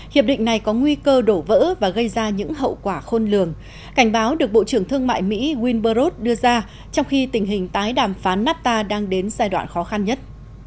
hiệp định này có nguy cơ đổ vỡ và gây ra những hậu quả khôn lường cảnh báo được bộ trưởng thương mại mỹ wilberod đưa ra trong khi tình hình tái đàm phán nafta đang đến giai đoạn khó khăn nhất